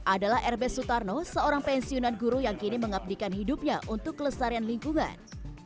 adalah r b sutarno seorang pensiunan guru yang kini mengabdikan hidupnya untuk kelesarian lingkungan